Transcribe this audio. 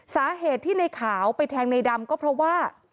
สาเหตุที่ในขาวไปแทงในดำก็เพราะว่า